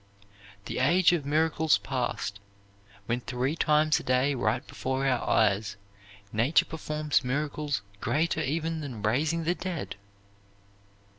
The age of miracles past, when three times a day right before our eyes Nature performs miracles greater even than raising the dead?